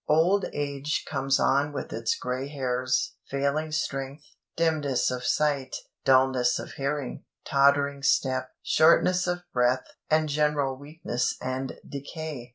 Old age comes on with its grey hairs, failing strength, dimness of sight, dullness of hearing, tottering step, shortness of breath, and general weakness and decay.